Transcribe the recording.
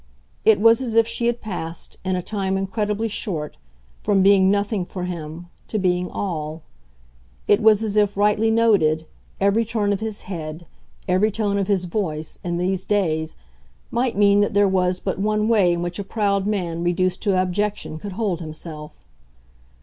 It was as if she had passed, in a time incredibly short, from being nothing for him to being all; it was as if, rightly noted, every turn of his head, every tone of his voice, in these days, might mean that there was but one way in which a proud man reduced to abjection could hold himself.